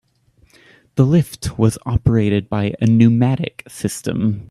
The lift was operated by a pneumatic system.